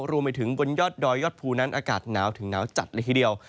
รวมไปถึงบนยอดดอยยอดภูนั้นอากาศหนาวถึงหนาวจัดเลยทีเดียว